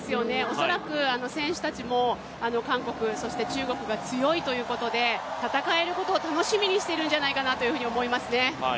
恐らく選手たちも強いということで戦えることを楽しみにしているんじゃないかなと思いますね。